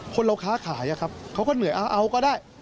คนเราค้าขายอะครับเขาก็เหนื่อยเอาก็ได้